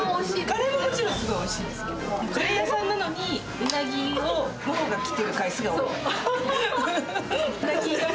カレーはもちろんすごいおいカレー屋さんなのに、うなぎのほうが来てる回数が多い。